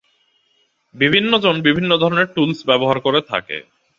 বিভিন্ন জন বিভিন্ন ধরনের টুলস ব্যবহার করে থাকে।